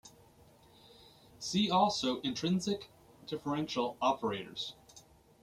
See also intrinsic differential operators.